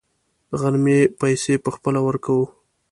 د غرمې پیسې به خپله ورکوو.